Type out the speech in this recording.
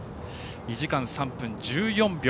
２時間３分１４秒。